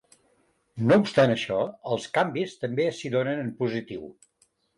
No obstant això, els canvis també s’hi donen en positiu.